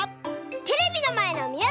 テレビのまえのみなさん！